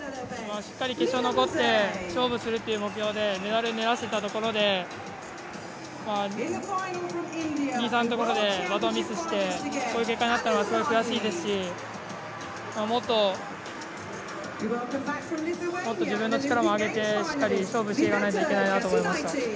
しっかり決勝残って勝負するっていう目標でメダルを狙ってたところで、２、３のところでバトンをミスしてこういう結果になったのは悔しいですしもっと自分の力を上げてしっかり勝負していかないといけないなと思いました。